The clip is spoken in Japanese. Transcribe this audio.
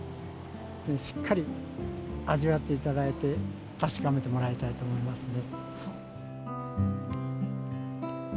しっかり味わっていただいて確かめてもらいたいと思いますね。